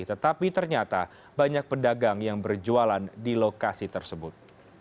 tetapi ternyata banyak pedagang yang berjualan di lokasi tersebut